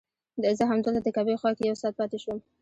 زه همدلته د کعبې خوا کې یو ساعت پاتې شوم.